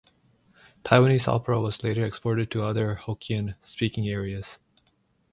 Taiwanese opera was later exported to other Hokkien-speaking areas.